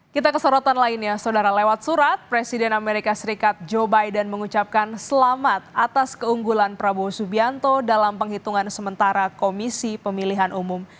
kita ke sorotan lainnya saudara lewat surat presiden amerika serikat joe biden mengucapkan selamat atas keunggulan prabowo subianto dalam penghitungan sementara komisi pemilihan umum